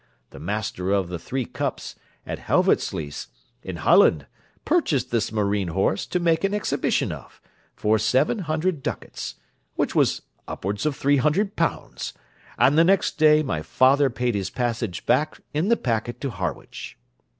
The master of the Three Cups, at Helvoetsluys, in Holland, purchased this marine horse, to make an exhibition of, for seven hundred ducats, which was upwards of three hundred pounds, and the next day my father paid his passage back in the packet to Harwich.